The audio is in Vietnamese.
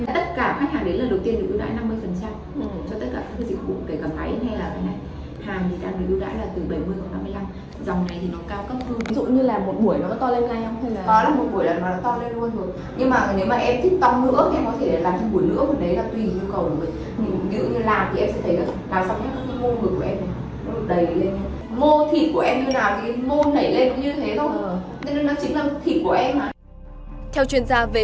tất cả khách hàng đến lần đầu tiên thì ưu đoạn năm mươi